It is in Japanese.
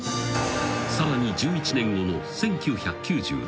［さらに１１年後の１９９６年］